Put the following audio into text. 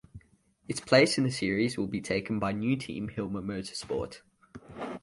Its place in the series will be taken by new team Hilmer Motorsport.